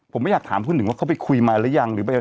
ผมไม่อยากถามผู้หนึ่งว่าเขาไปคุยมาหรือยังหรือไป